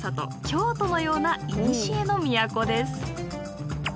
京都のようないにしえの都です。